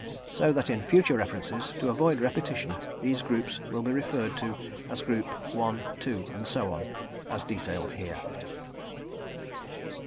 So that in future references, to avoid repetition, these groups will be referred to as group 1, 2, and so on, as detailed here.